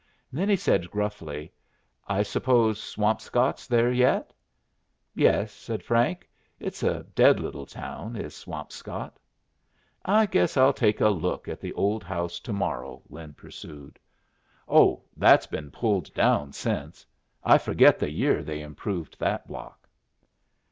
Then he said, gruffly, "I suppose Swampscott's there yet?" "Yes," said Frank. "It's a dead little town, is Swampscott." "I guess I'll take a look at the old house tomorrow," Lin pursued. "Oh, that's been pulled down since I forget the year they improved that block."